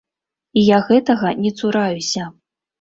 І я гэтага не цураюся.